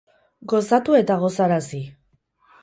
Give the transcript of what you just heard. Gozatu eta gozarazi